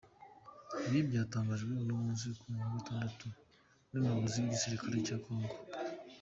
Ibi byatangajwe, uno musi ku wa gatanu, n’umuyobozi w’igisirikare cya Kongo.